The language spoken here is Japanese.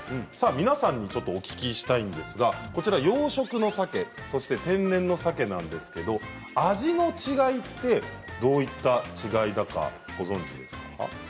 皆さんにお聞きしたいんですが養殖のサケ、そして天然のサケ味の違いってどういった違いだかご存じですか。